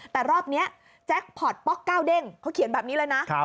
แต่รอบนี้แจ็คพอร์ตป๊อกก้าวเด้งเขาเขียนแบบนี้เลยนะ